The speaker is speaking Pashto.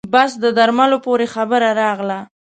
بس د درملو پورې خبره راغله.